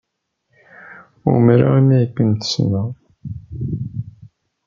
Umareɣ imi ay kent-ssneɣ.